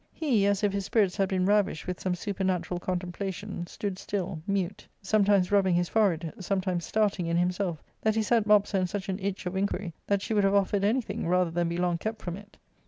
He, as if his spirits had been ravished with some super natural contemplation, stood still, mute, sometimes rubbing his forehead, sometimes starting in himself, that he set Mopsa in such an itch of inquiry that she would have offered any thing rather than be long kept from it.